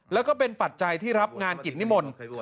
แล้วก็เป็นปัจจัยที่รับงานกิจนิมนต์